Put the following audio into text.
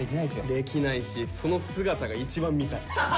できないしその姿が一番見たい。